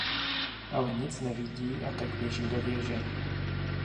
Ale nic nevidí a tak běží do věže.